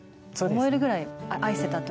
思えるぐらい愛せたというか。